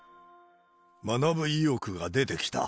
学ぶ意欲が出てきた。